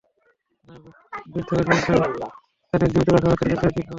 আর বৃদ্ধরা সংখ্যায় যাদের জীবিত রাখা হচ্ছে, তাদের চেয়ে অধিক হবে না।